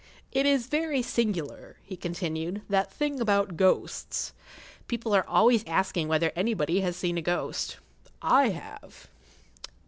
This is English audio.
"It is very singular," he continued, "that thing about ghosts. People are always asking whether anybody has seen a ghost. I have."